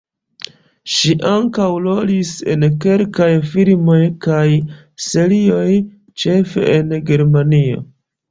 Ŝi ankaŭ rolis en kelkaj filmoj kaj serioj, ĉefe en Germanio.